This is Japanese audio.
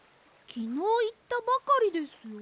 きのういったばかりですよ。